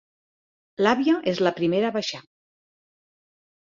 L'àvia és la primera a baixar.